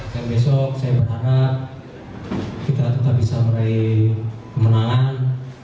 dan besok saya berharap kita tetap bisa meraih kemenangan